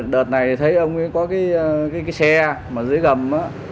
đợt này thấy ông ấy có cái xe mà dưới gầm á